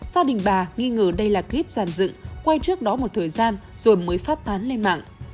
gia đình bà nghi ngờ đây là clip giàn dựng quay trước đó một thời gian rồi mới phát tán lên mạng